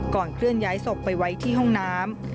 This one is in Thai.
เคลื่อนย้ายศพไปไว้ที่ห้องน้ำ